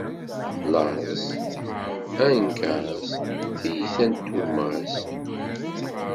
Laẓ, angaẓ, tiyita n tummaẓ.